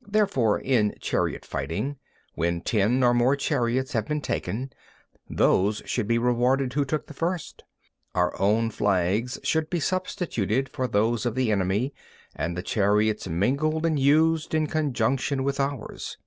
17. Therefore in chariot fighting, when ten or more chariots have been taken, those should be rewarded who took the first. Our own flags should be substituted for those of the enemy, and the chariots mingled and used in conjunction with ours.